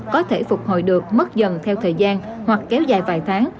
có thể phục hồi được mất dần theo thời gian hoặc kéo dài vài tháng